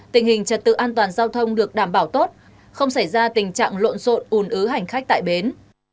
tình hình trật tự an toàn giao thông được đảm bảo tốt không xảy ra tình trạng lộn xộn ủn ứ hành khách tại bến